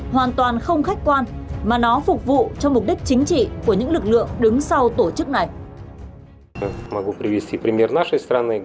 hoàn toàn không khách quan mà nó phục vụ cho mục đích chính trị của những lực lượng đứng sau tổ chức này